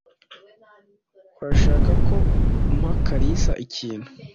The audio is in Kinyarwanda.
Urashaka ko mpa Kalisa ikintu?